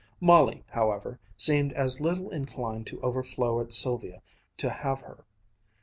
Molly, however, seemed as little inclined to overflow as Sylvia to have her.